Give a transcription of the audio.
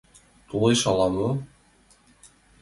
— Толеш ала-мо?